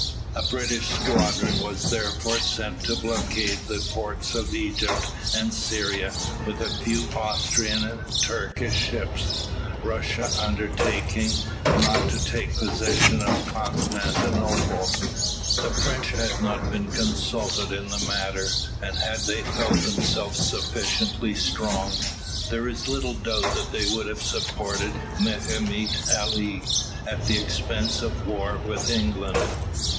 A British squadron was therefore sent to blockade the ports of Egypt and Syria, with a few Austrian and Turkish ships, Russia undertaking not to take possession of Constantinople. The French had not been consulted in the matter, and had they felt themselves sufficiently strong, there is little doubt that they would have supported Mehemet Ali, at the expense of a war with England.